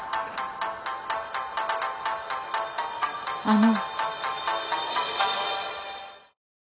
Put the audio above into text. あの。